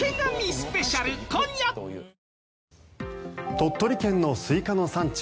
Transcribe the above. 鳥取県のスイカの産地